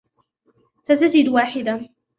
ستجد واحدا.